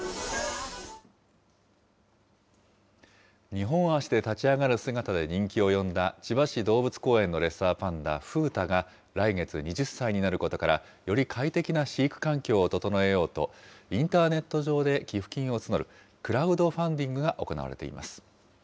２本足で立ち上がる姿で人気を呼んだ千葉市動物公園のレッサーパンダ、風太が来月２０歳になることから、より快適な飼育環境を整えようと、インターネット上で寄付金を募るクラウドファンデ